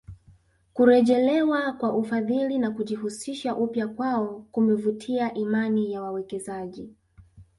Kurejelewa kwa ufadhili na kujihusisha upya kwao kumevutia imani ya wawekezaji